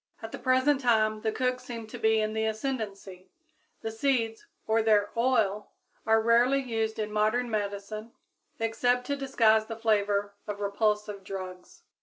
At the present time the cooks seem to be in the ascendancy; the seeds or their oil are rarely used in modern medicine, except to disguise the flavor of repulsive drugs.